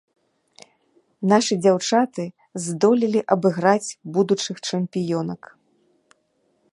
Нашы дзяўчаты здолелі абыграць будучых чэмпіёнак.